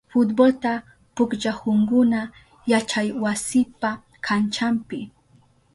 Futbolta pukllahunkuna yachaywasipa kanchanpi.